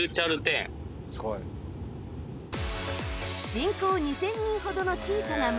人口２０００人ほどの小さな村